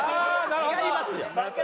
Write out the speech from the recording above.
違いますよ！